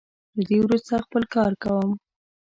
له دې وروسته خپل کار کوم.